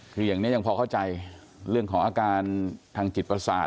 คืออย่างนี้ยังพอเข้าใจเรื่องของอาการทางจิตประสาท